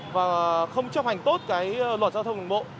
và không chấp hành tốt cái luật giao thông đường bộ